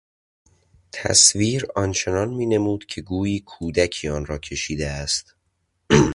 تصویر آنچنان مینمود که گویی کودکی آن را کشیده است.